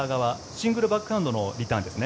シングルバックハンドのリターンですね。